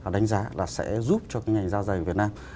đánh giá là sẽ giúp cho cái ngành da dày của việt nam